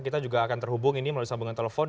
kita juga akan terhubung ini melalui sambungan telepon